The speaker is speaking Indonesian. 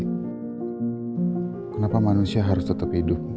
kenapa manusia harus tetap hidup